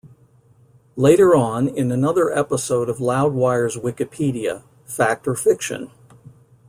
Later on, in another episode of Loudwire's Wikipedia: Fact Or Fiction?